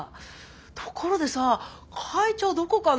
ところでさ会長どこかな？